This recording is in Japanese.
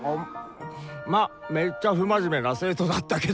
まあめっちゃ不真面目な生徒だったけど。